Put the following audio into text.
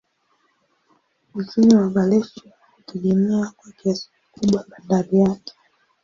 Uchumi wa Valencia hutegemea kwa kiasi kikubwa bandari yake.